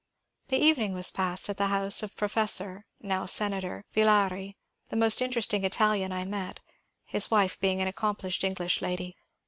The evening was passed at the house of Pro fessor (now Senator) Villari, the most interesting Italian I met, his wife being an accomplished English lady.